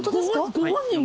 ご本人が！？